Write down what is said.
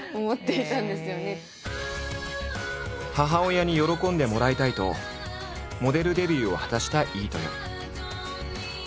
母親に喜んでもらいたいとモデルデビューを果たした飯豊。